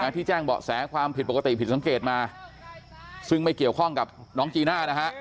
ที่แจ้งเบาะแสความผิดปกติผิดสังเกตมาซึ่งไม่เกี่ยวข้องกับน้องจีน่านะฮะ